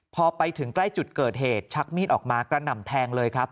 พอไปถึงใกล้จุดเกิดเหตุชักมีดออกมากระหน่ำแทงเลยครับ